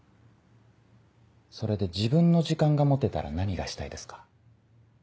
それで自分の時間が持てたら何がしたいですか？